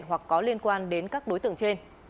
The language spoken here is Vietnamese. hoặc có liên quan đến các đối tượng trên